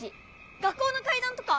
学校の怪談とか？